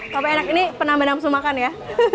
tapi enak ini pernah benar benar bisa makan ya